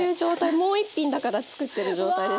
もう１品だから作ってる状態ですね。